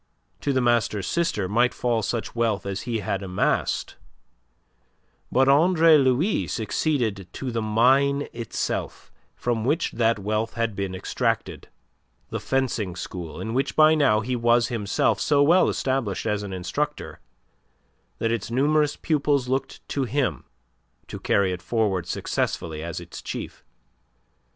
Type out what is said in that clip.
To the master's sister might fall such wealth as he had amassed, but Andre Louis succeeded to the mine itself from which that wealth had been extracted, the fencing school in which by now he was himself so well established as an instructor that its numerous pupils looked to him to carry it forward successfully as its chief.